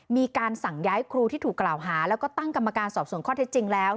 มีการสั่งย้ายครูที่ถูกกล่าวหาแล้วก็ตั้งกรรมการสอบส่วนข้อเท็จจริงแล้ว